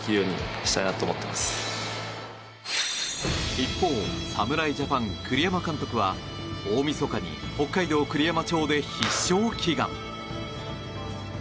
一方、侍ジャパン栗山監督は大みそかに北海道栗山町で必勝祈願。